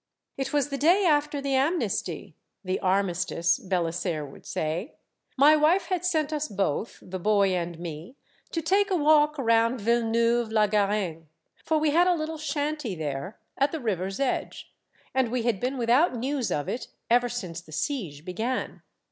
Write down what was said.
" It was the day after the amnesty "('' the armis tice,'' B^Hsaire would say). *' My wife had sent us both, the boy and me, to take a walk around Villeneuve la Garenne, for we had a little shanty there, at the river's edge, and we had been without news of it ever since the siege began.